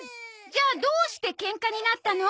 じゃあどうしてケンカになったの？